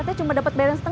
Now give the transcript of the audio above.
kamu sudah bangun